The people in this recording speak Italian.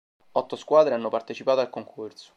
Otto squadre hanno partecipato al concorso.